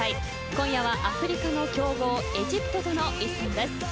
今夜はアフリカの強豪エジプトとの一戦です。